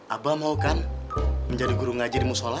abah mau kan menjadi guru ngajin musola